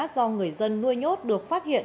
do người dân nuôi nhốt được phát hiện